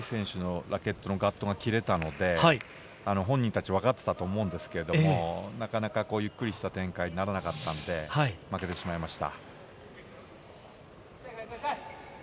ラリー中に、リ選手のラケットのガットが切れたので、本人たちも分かっていたと思うんですけど、なかなかゆっくりした展開にならなかったので負けてしまいました。